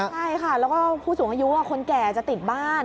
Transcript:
ใช่ค่ะแล้วก็ผู้สูงอายุคนแก่จะติดบ้าน